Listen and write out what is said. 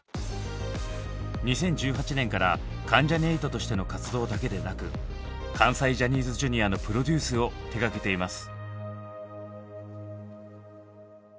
２０１８年から関ジャニ∞としての活動だけでなく関西ジャニーズＪｒ．のプロデュースを手がけています。